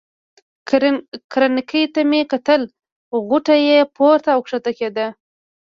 کرنکې ته مې کتل، غوټو یې پورته او کښته کېده.